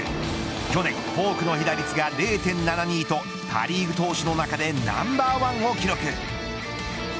去年、フォークの被打率が０．７２とパ・リーグ投手の中でナンバーワンを記録。